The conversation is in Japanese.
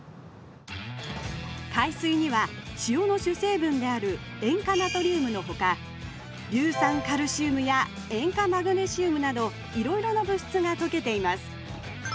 海水には塩の主成分である塩化ナトリウムのほか硫酸カルシウムや塩化マグネシウムなどいろいろな物質が溶けています。